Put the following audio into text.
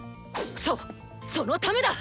そうそのためだ！